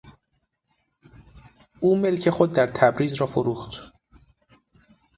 او ملک خود در تبریز را فروخت.